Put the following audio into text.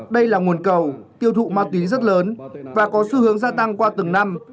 đây là nguồn cầu tiêu thụ ma túy rất lớn và có xu hướng gia tăng qua từng năm